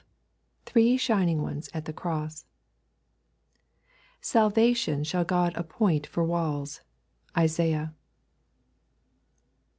THE THREE SHINING ONES AT THE CROSS 'Salvation shall God appoint for walls.' Isaiah.